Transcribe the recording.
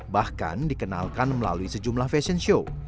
bahkan dikenalkan melalui sejumlah fashion show